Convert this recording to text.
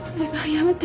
やめて。